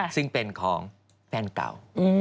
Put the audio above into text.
ซึ่งเป็นของแฟนเก่า